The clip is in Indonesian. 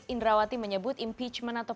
indrawati menyebut impeachment atau